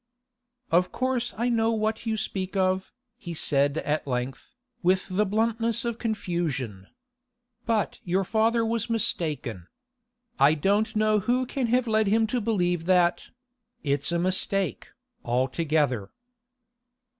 'Of course I know what you speak of,' he said at length, with the bluntness of confusion. 'But your father was mistaken. I don't know who can have led him to believe that—It's a mistake, altogether.